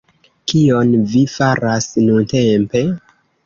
Kion vi faras nuntempe?